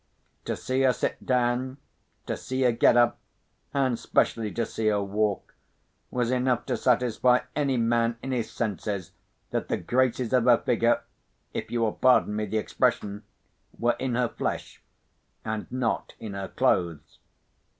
To see her sit down, to see her get up, and specially to see her walk, was enough to satisfy any man in his senses that the graces of her figure (if you will pardon me the expression) were in her flesh and not in her clothes.